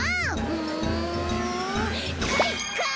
うんかいか！